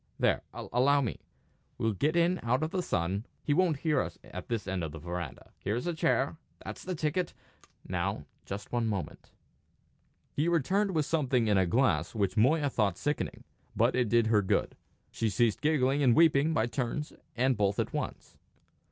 There allow me. We'll get in out of the sun; he won't hear us at this end of the verandah. Here's a chair. That's the ticket! Now, just one moment." He returned with something in a glass which Moya thought sickening. But it did her good. She ceased giggling and weeping by turns and both at once.